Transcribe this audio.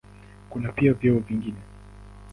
Kuna pia vyeo vingine.